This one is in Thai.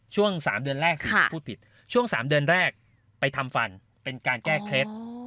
ช่วง๓เดือนแรกสิ่งที่พูดผิดช่วง๓เดือนแรกไปทำฟันเป็นการแก้เคล็ด